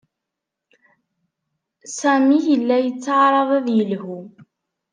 Sami yella yettaɛraḍ ad yelhu.